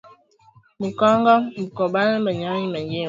Mu kongo muko ba nyama ba mingi